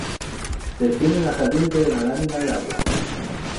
Se extienden hasta el límite de la lámina de agua.